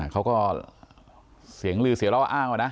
เขาก็เสียงลือเสียงเล่าอ้างว่านะ